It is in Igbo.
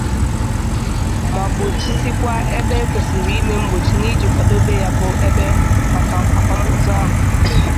ma gbochisikwa ebe e kwesiri ime mgbochi n'iji kwadobe ya bụ ebe maka akwamozu ahụ.